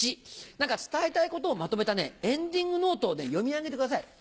何か伝えたいことをまとめたエンディングノートを読み上げてください。